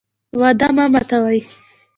وعده مه ماتوئ